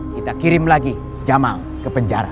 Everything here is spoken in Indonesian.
kita kirim lagi jamang ke penjara